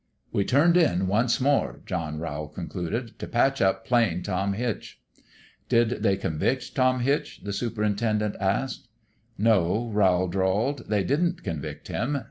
" We turned in once more," John Rowl con cluded, " t' patch up Plain Tom Hitch." " Did they convict Tom Hitch ?" the superin tendent asked. " No," Rowl drawled ;" they didn't convict him.